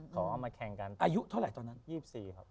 เขาเอามาแข่งกันอายุเท่าไหร่ตอนนั้น๒๔ครับ